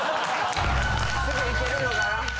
すぐ行けるのが。